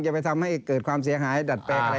จะไปทำให้เกิดความเสียหายดัดแปลงอะไร